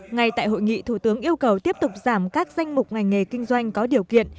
ngay tại hội nghị thủ tướng yêu cầu tiếp tục giảm các danh mục ngành nghề kinh doanh có điều kiện